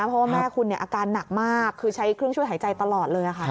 เพราะว่าแม่คุณอาการหนักมากคือใช้เครื่องช่วยหายใจตลอดเลยค่ะ